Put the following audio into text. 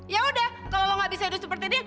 yaudah kalo lo gak bisa hidup seperti ini